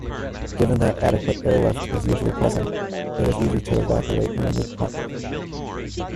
Given that adequate "airlift" is usually present, it is easy to evacuate wounded promptly.